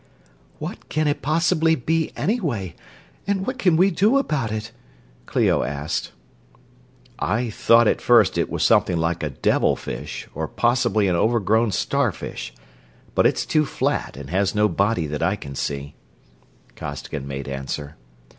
"What can it possibly be, anyway, and what can we do about it?" Clio asked. "I thought at first it was something like a devilfish, or possibly an overgrown starfish, but it's too flat, and has no body that I can see," Costigan made answer.